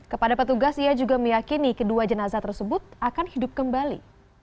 kepada petugas ia juga meyakini kedua jenazah tersebut akan hidup kembali